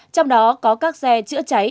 trong đó có các xe chữa cháy